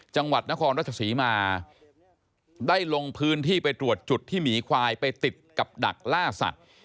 จังหวัดนครราชศรีมาได้ลงพื้นที่ไปตรวจจุดที่หมีควายไปติดกับดักล่าสัตว์